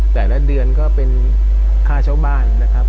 แต่ละเดือนก็เป็นค่าเช่าบ้านนะครับ